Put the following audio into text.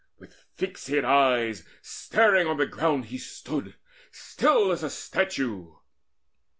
With fixed eyes staring on the ground he stood Still as a statue.